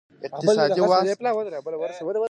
اقتصادي وده محصولات وده راکمېږي.